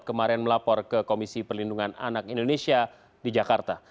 kemarin melapor ke komisi perlindungan anak indonesia di jakarta